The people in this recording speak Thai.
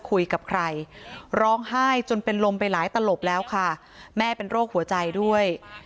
คุยกับใครร้องไห้จนเป็นลมไปหลายตลบแล้วค่ะแม่เป็นโรคหัวใจด้วย